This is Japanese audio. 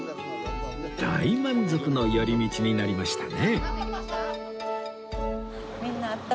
大満足の寄り道になりましたね